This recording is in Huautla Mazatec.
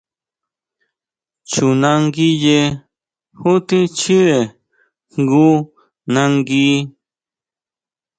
Chjunanguiye jú tjín chíre jngu nangui.